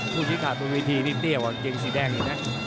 ผู้ที่ขาดตัววิธีนิดเดียวกว่าเกงสีแดงอย่างนี้นะ